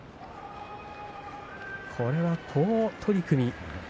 これは好取組。